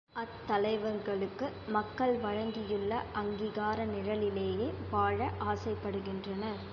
அத்தலைவர்களுக்கு மக்கள் வழங்கியுள்ள அங்கீகார நிழலிலேயே வாழ ஆசைப்படுகின்றனர்.